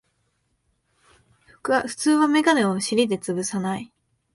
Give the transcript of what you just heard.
普通はメガネを尻でつぶさない